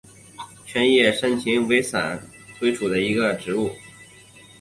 全叶山芹为伞形科当归属的植物。